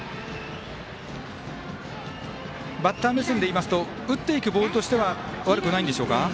バッター目線でいいますと打っていくボールとしては悪くないんでしょうか。